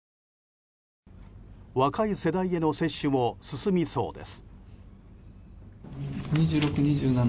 若い世代への接種も進みそうです。